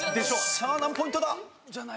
さあ何ポイントだ？